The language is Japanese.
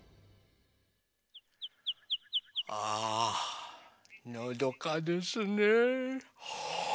ああのどかですねえ。